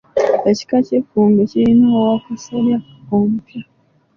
Ekika ky’effumbe kirina Owaakasolya omupya.